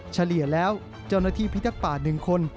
เฉลี่ยแล้วเจ้าหน้าที่พิทักษ์ป่า๑คน